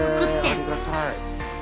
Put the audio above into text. へえありがたい。